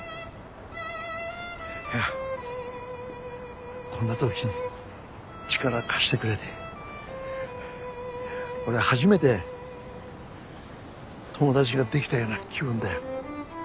いやこんな時に力貸してくれて俺初めて友達ができたような気分だよ。